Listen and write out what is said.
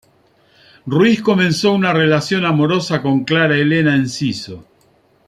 Ruiz comenzó una relación amorosa con Clara Helena Enciso.